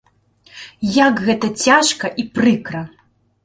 Як гэта цяжка і прыкра!